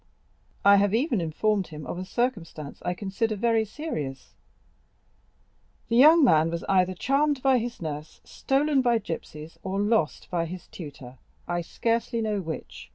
I have even informed him of a circumstance I consider very serious; the young man was either charmed by his nurse, stolen by gypsies, or lost by his tutor, I scarcely know which.